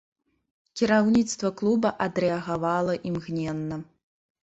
Кіраўніцтва клуба адрэагавала імгненна.